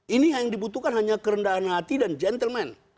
ini yang dibutuhkan hanya kerendahan hati dan gentleman